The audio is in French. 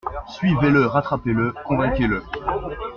Suivez-le, rattrapez-le, convainquez-le.